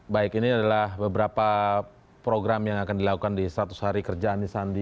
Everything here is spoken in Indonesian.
baik ini adalah beberapa program yang akan dilakukan di seratus hari kerja anies sandi